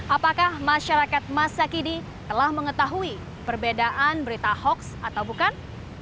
apakah masyarakat masa kini telah mengetahui perbedaan berita hoax atau bukan